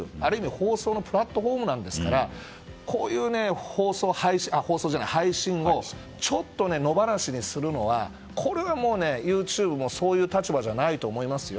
放送のプラットフォームですからこういう配信をちょっと野放しにするのはこれはＹｏｕＴｕｂｅもそういう立場じゃないと思いますよ。